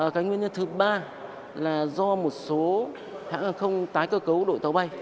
cái nguyên nhân thứ ba là do một số hãng hàng không tái cơ cấu đội tàu bay